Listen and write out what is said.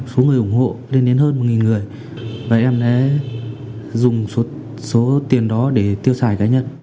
số người ủng hộ lên đến hơn một người và em đã dùng số tiền đó để tiêu xài cá nhân